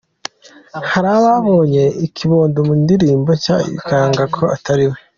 Hari ababonye I-Kabod mu ndirimbo nshya bikanga ko atari we.